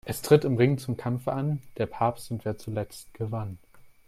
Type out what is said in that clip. Es tritt im Ring zum Kampfe an: Der Papst und wer zuletzt gewann.